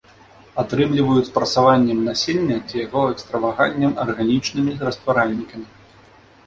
Атрымліваюць прасаваннем насення ці яго экстрагаваннем арганічнымі растваральнікамі.